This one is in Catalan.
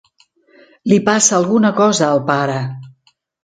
Li passa alguna cosa al pare.